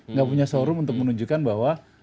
nggak punya showroom untuk menunjukkan bahwa